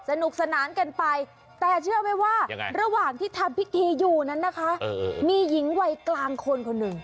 สนุกสนานกันไปแต่เชื่อไหมว่าระหว่างที่ทำพิธีอยู่นั้นนะคะมีหญิงวัยกลางคนคนหนึ่ง